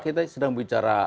kita sedang bicara